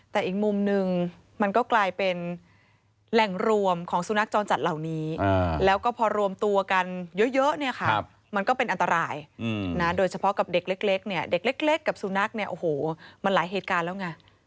แต่อีกมุมนึงมันก็กลายเป็นแหล่งรวมของสุนัขจรจัดเหล่านี้แล้วก็พอรวมตัวกันเยอะเนี่ยค่ะมันก็เป็นอันตรายนะโดยเฉพาะกับเด็กเล็กเนี่ยเด็กเล็กกับสุนัขเนี่ยโอ้โหมันหลายเหตุการณ์แล้วไง